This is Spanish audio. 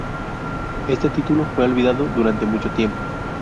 Este título fue olvidado durante mucho tiempo.